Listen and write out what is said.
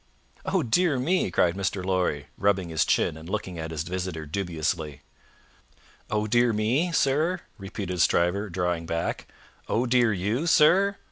"Oh dear me!" cried Mr. Lorry, rubbing his chin, and looking at his visitor dubiously. "Oh dear me, sir?" repeated Stryver, drawing back. "Oh dear you, sir?